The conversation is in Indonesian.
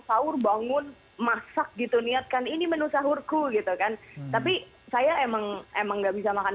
sahur bangun masak gitu niatkan ini menu sahurku gitu kan tapi saya emang emang nggak bisa makan